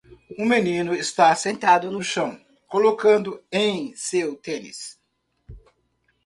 Um menino está sentado no chão colocando em seu tênis.